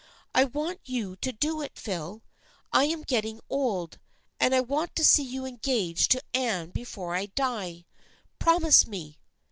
I want you to do it, Phil. I am getting old, and I want to see you engaged to Anne before I die. Promise me."